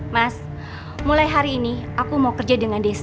mas mulai hari ini aku mau kerja dengan desa